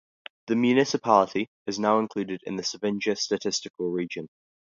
The municipality is now included in the Savinja Statistical Region.